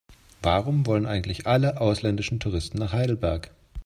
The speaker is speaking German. Warum wollen eigentlich alle ausländischen Touristen nach Heidelberg?